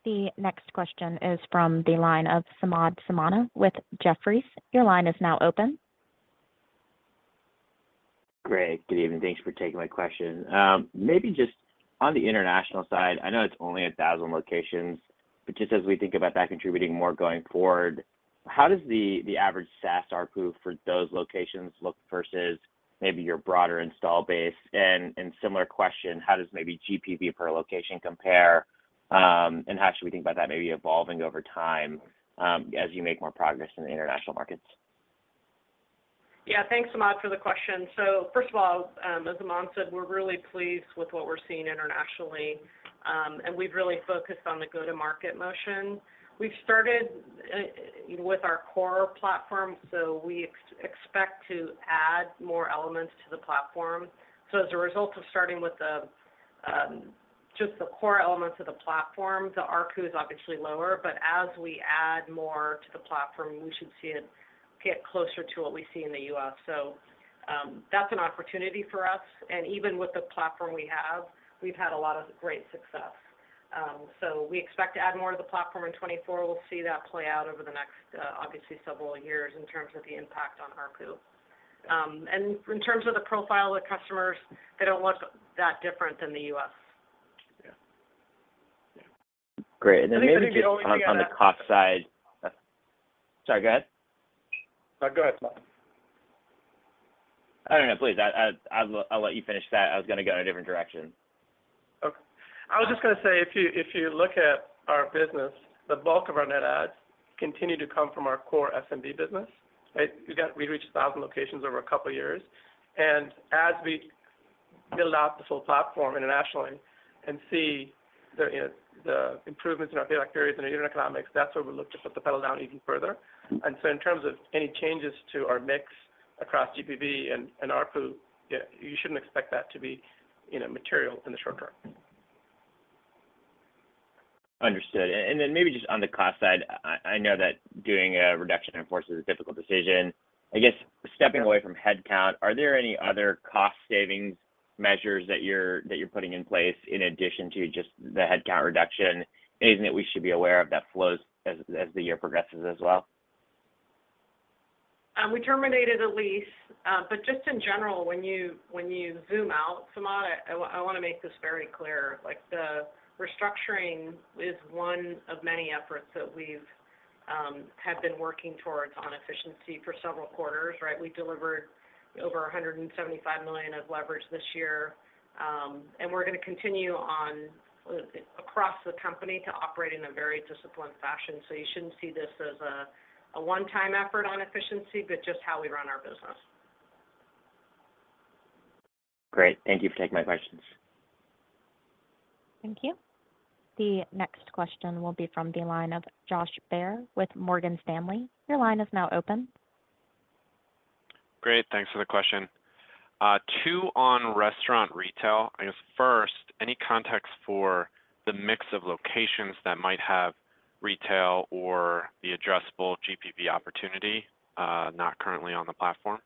The next question is from the line of Samad Samana with Jefferies. Your line is now open. Great. Good evening. Thanks for taking my question. Maybe just on the international side, I know it's only 1,000 locations, but just as we think about that contributing more going forward, how does the average SaaS ARPU for those locations look versus maybe your broader install base? And similar question, how does maybe GPV per location compare, and how should we think about that maybe evolving over time as you make more progress in the international markets? Yeah. Thanks, Samad, for the question. So first of all, as Aman said, we're really pleased with what we're seeing internationally, and we've really focused on the go-to-market motion. We've started with our core platform, so we expect to add more elements to the platform. So as a result of starting with just the core elements of the platform, the ARPU is obviously lower, but as we add more to the platform, we should see it get closer to what we see in the U.S. So that's an opportunity for us. And even with the platform we have, we've had a lot of great success. So, we expect to add more to the platform in 2024. We'll see that play out over the next, obviously, several years in terms of the impact on ARPU. In terms of the profile of the customers, they don't look that different than the U.S. Great. And then maybe just on the cost side, sorry, go ahead. Go ahead, Samad. I don't know. Please, I'll let you finish that. I was going to go in a different direction. Okay. I was just going to say, if you look at our business, the bulk of our net adds continue to come from our core SMB business. We reached 1,000 locations over a couple of years. As we build out the full platform internationally and see the improvements in our payback periods and our unit economics, that's where we look to put the pedal down even further. So in terms of any changes to our mix across GPV and ARPU, you shouldn't expect that to be material in the short term. Understood. And then maybe just on the cost side, I know that doing a reduction enforces a difficult decision. I guess stepping away from headcount, are there any other cost-savings measures that you're putting in place in addition to just the headcount reduction? Anything that we should be aware of that flows as the year progresses as well? We terminated a lease. But just in general, when you zoom out, Samad, I want to make this very clear. The restructuring is one of many efforts that we've had been working towards on efficiency for several quarters. We delivered over $175 million of leverage this year, and we're going to continue across the company to operate in a very disciplined fashion. So, you shouldn't see this as a one-time effort on efficiency, but just how we run our business. Great. Thank you for taking my questions. Thank you. The next question will be from the line of Josh Baer with Morgan Stanley. Your line is now open. Great. Thanks for the question. Two on restaurant retail. I guess first, any context for the mix of locations that might have retail or the addressable GPV opportunity not currently on the platform?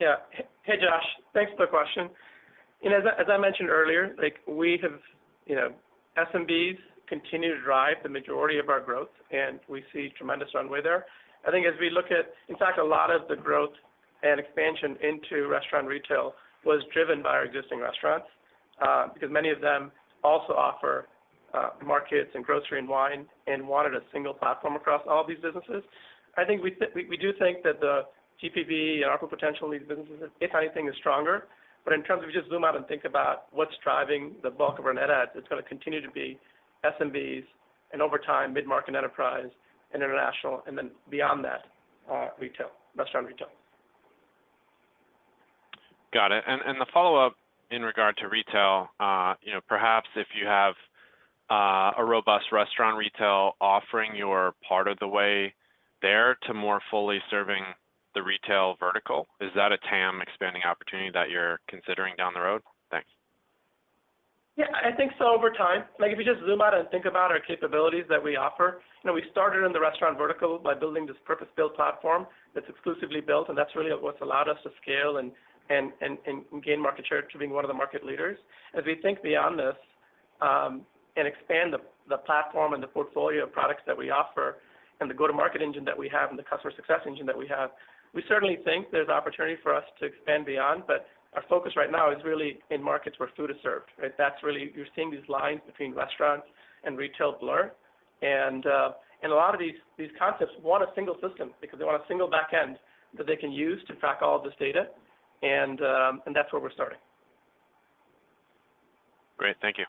Yeah. Hey, Josh. Thanks for the question. As I mentioned earlier, we have SMBs continue to drive the majority of our growth, and we see tremendous runway there. I think as we look at, in fact, a lot of the growth and expansion into restaurant retail was driven by our existing restaurants because many of them also offer markets and grocery and wine and wanted a single platform across all these businesses. I think we do think that the GPV and ARPU potential in these businesses, if anything, is stronger. But in terms of if you just zoom out and think about what's driving the bulk of our net adds, it's going to continue to be SMBs and over time mid-market enterprise and international and then beyond that, restaurant retail. Got it. The follow-up in regard to retail, perhaps if you have a robust restaurant retail offering you're part of the way there to more fully serving the retail vertical, is that a TAM expanding opportunity that you're considering down the road? Thanks. Yeah. I think so over time. If you just zoom out and think about our capabilities that we offer, we started in the restaurant vertical by building this purpose-built platform that's exclusively built, and that's really what's allowed us to scale and gain market share to being one of the market leaders. As we think beyond this and expand the platform and the portfolio of products that we offer and the go-to-market engine that we have and the customer success engine that we have, we certainly think there's opportunity for us to expand beyond. But our focus right now is really in markets where food is served. You're seeing these lines between restaurants and retail blur. A lot of these concepts want a single system because they want a single backend that they can use to track all of this data, and that's where we're starting. Great. Thank you.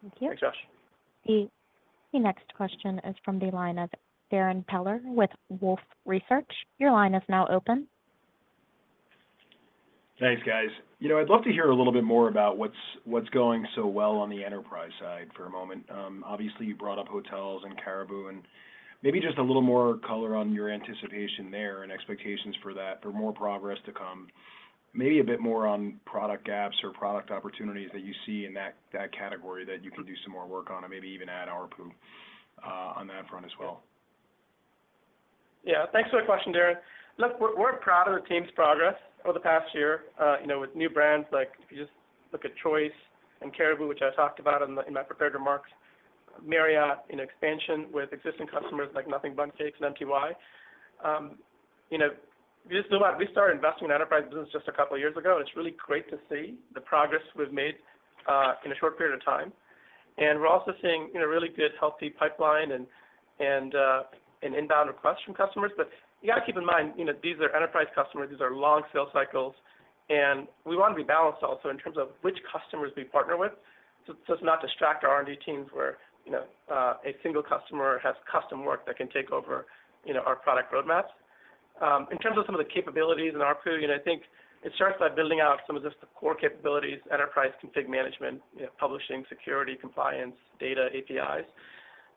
Thank you. Thanks, Josh. The next question is from the line of Darrin Peller with Wolfe Research. Your line is now open. Thanks, guys. I'd love to hear a little bit more about what's going so well on the enterprise side for a moment. Obviously, you brought up hotels and Caribou, and maybe just a little more color on your anticipation there and expectations for more progress to come. Maybe a bit more on product gaps or product opportunities that you see in that category that you can do some more work on and maybe even add ARPU on that front as well. Yeah. Thanks for the question, Darrin. Look, we're proud of the team's progress over the past year with new brands. If you just look at Choice and Caribou, which I talked about in my prepared remarks, Marriott expansion with existing customers like Nothing Bundt Cakes and MTY. If you just zoom out, we started investing in enterprise business just a couple of years ago, and it's really great to see the progress we've made in a short period of time. And we're also seeing a really good, healthy pipeline and inbound requests from customers. But you got to keep in mind, these are enterprise customers. These are long sales cycles. And we want to be balanced also in terms of which customers we partner with so as to not distract our R&D teams where a single customer has custom work that can take over our product roadmaps. In terms of some of the capabilities in ARPU, I think it starts by building out some of just the core capabilities: enterprise config management, publishing, security, compliance, data, APIs.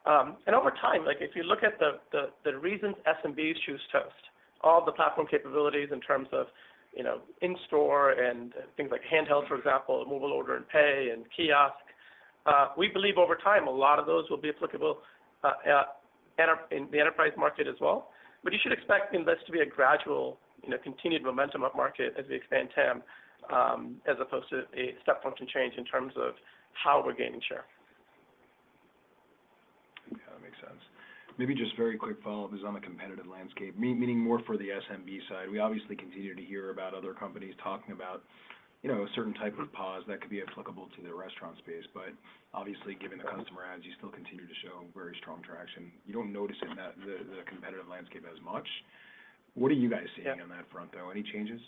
And over time, if you look at the reasons SMBs choose Toast, all of the platform capabilities in terms of in-store and things like handheld, for example, Mobile Order & Pay and kiosk, we believe over time, a lot of those will be applicable in the enterprise market as well. But you should expect this to be a gradual, continued momentum up market as we expand TAM as opposed to a step function change in terms of how we're gaining share. Yeah. That makes sense. Maybe just very quick follow-up is on the competitive landscape, meaning more for the SMB side. We obviously continue to hear about other companies talking about a certain type of POS that could be applicable to their restaurant space. But obviously, given the customer adds, you still continue to show very strong traction. You don't notice it in the competitive landscape as much. What are you guys seeing on that front, though? Any changes?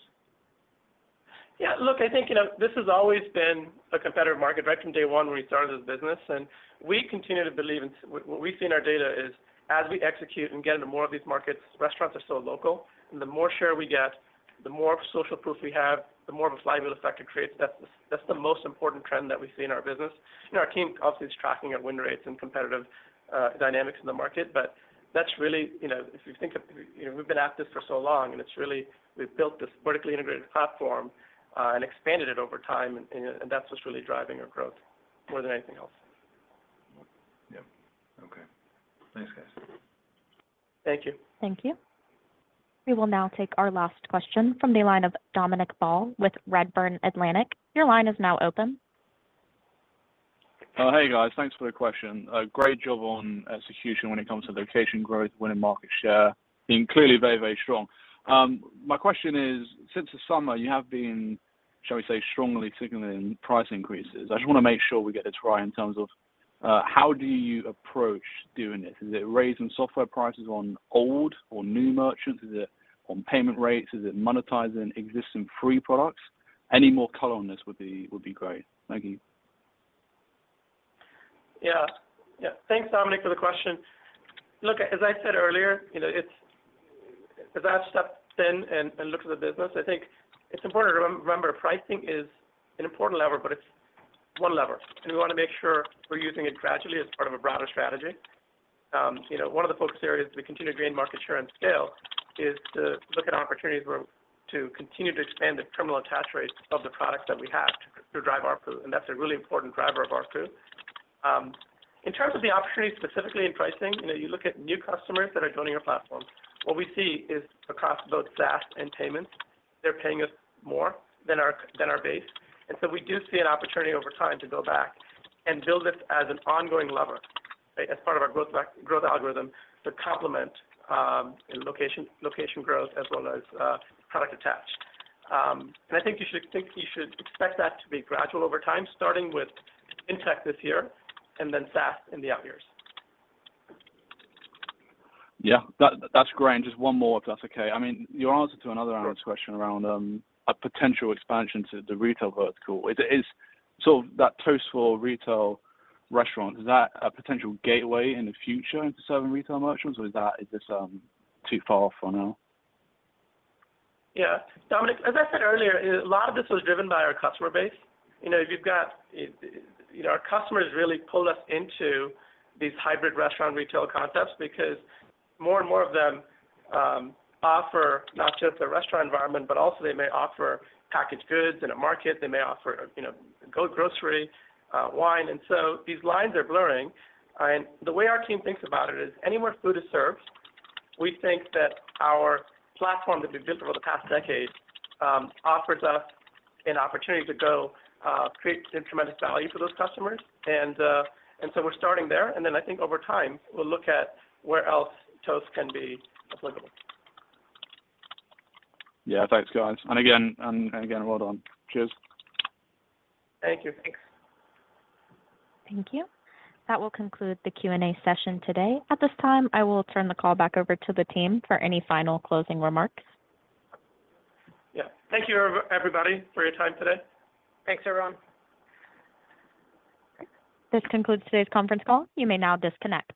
Yeah. Look, I think this has always been a competitive market right from day one when we started this business. And we continue to believe in what we see in our data is as we execute and get into more of these markets, restaurants are so local. And the more share we get, the more social proof we have, the more of a flywheel effect it creates. That's the most important trend that we see in our business. Our team, obviously, is tracking our win rates and competitive dynamics in the market. But that's really if you think of, we've been at this for so long, and we've built this vertically integrated platform and expanded it over time, and that's what's really driving our growth more than anything else. Yep. Okay. Thanks, guys. Thank you. Thank you. We will now take our last question from the line of Dominic Ball with Redburn Atlantic. Your line is now open. Hey, guys. Thanks for the question. Great job on execution when it comes to location growth, winning market share, being clearly very, very strong. My question is, since the summer, you have been, shall we say, strongly signaling price increases. I just want to make sure we get this right in terms of how do you approach doing this? Is it raising software prices on old or new merchants? Is it on payment rates? Is it monetizing existing free products? Any more color on this would be great. Thank you. Yeah. Yeah. Thanks, Dominic, for the question. Look, as I said earlier, as I've stepped in and looked at the business, I think it's important to remember pricing is an important lever, but it's one lever. We want to make sure we're using it gradually as part of a broader strategy. One of the focus areas to continue to gain market share and scale is to look at opportunities to continue to expand the incremental attach rates of the products that we have to drive ARPU, and that's a really important driver of ARPU. In terms of the opportunities specifically in pricing, you look at new customers that are joining our platform. What we see is across both SaaS and payments, they're paying us more than our base. And so we do see an opportunity over time to go back and build this as an ongoing lever as part of our growth algorithm to complement location growth as well as product attach. And I think you should expect that to be gradual over time, starting with FinTech this year and then SaaS in the out years. Yeah. That's great. And just one more, if that's okay. I mean, your answer to another analyst's question around a potential expansion to the retail vertical, is sort of that Toast for retail restaurants, is that a potential gateway in the future into serving retail merchants, or is this too far off for now? Yeah. Dominic, as I said earlier, a lot of this was driven by our customer base. If you've got our customers really pull us into these hybrid restaurant retail concepts because more and more of them offer not just a restaurant environment, but also they may offer packaged goods in a market. They may offer grocery, wine. And so these lines are blurring. And the way our team thinks about it is anywhere food is served, we think that our platform that we've built over the past decade offers us an opportunity to go create tremendous value for those customers. And so we're starting there. And then I think over time, we'll look at where else Toast can be applicable. Yeah. Thanks, guys. And again, well done. Cheers. Thank you. Thanks. Thank you. That will conclude the Q&A session today. At this time, I will turn the call back over to the team for any final closing remarks. Yeah. Thank you, everybody, for your time today. Thanks, everyone. This concludes today's conference call. You may now disconnect.